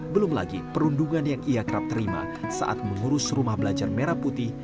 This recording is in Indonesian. belum lagi perundungan yang ia kerap terima saat mengurus rumah belajar merah putih